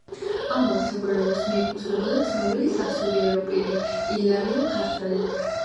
ამავე საგვარეულოს მიეკუთვნებოდა ცნობილი სასულიერო პირი ილარიონ ქართველი.